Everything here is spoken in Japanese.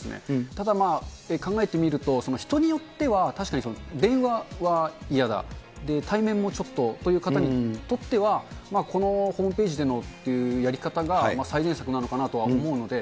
ただ、考えてみると、人によっては確かに電話は嫌だ、対面もちょっとという方にとっては、このホームページでのというやり方が、最善策なのかなとは思うので、